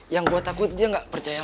yang gue takut dia nggak percaya